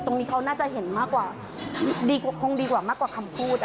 ตรงนี้เขาน่าจะเห็นมากกว่าคงดีกว่ามากกว่าคำพูด